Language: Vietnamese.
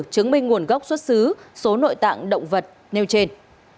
chứng minh nguồn gốc xuất xứ số nội tạng động vật nêu trên